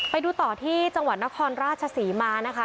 ไปดูต่อที่จังหวัดนครราชศรีมานะคะ